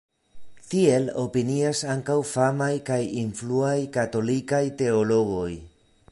Tiel opinias ankaŭ famaj kaj influaj katolikaj teologoj.